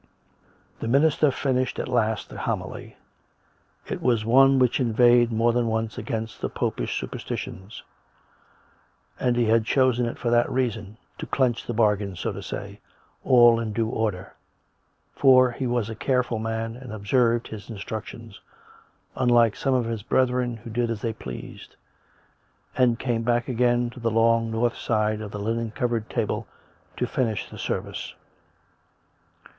The minister finished at last the homily — it was one which inveighed more than once against the popish super stitions ; and he had chosen it for that reason, to clench the bargain, so to say — all in due order; for he was a care ful man and observed his instructions, unlike some of his brethren who did as they pleased; and came back again to the long north side of the linen covered table to finish the service.